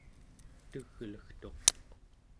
teglegtuq